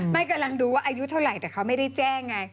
กำลังดูว่าอายุเท่าไหร่แต่เขาไม่ได้แจ้งไง